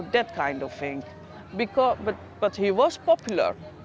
tapi dia popular